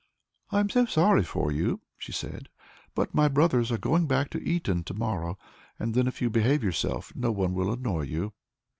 "I am so sorry for you," she said, "but my brothers are going back to Eton to morrow, and then, if you behave yourself, no one will annoy you."